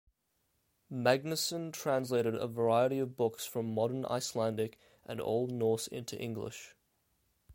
Magnusson translated a variety of books from modern Icelandic and Old Norse into English.